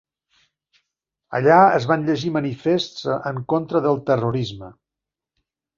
Allà es van llegir manifests en contra del terrorisme.